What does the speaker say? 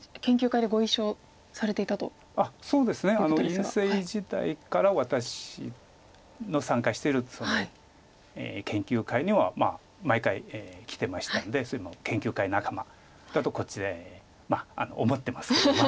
院生時代から私の参加している研究会には毎回来てましたんで研究会仲間だとこちら思ってますけど。